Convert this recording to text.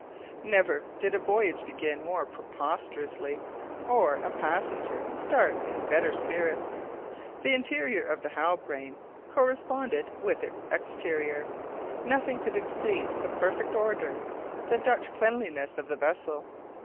Never did a voyage begin more prosperously, or a passenger start in better spirits. The interior of the Halbrane corresponded with its exterior. Nothing could exceed the perfect order, the Dutch cleanliness of the vessel.